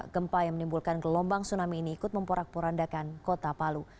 gempa yang menimbulkan gelombang tsunami ini ikut memporak porandakan kota palu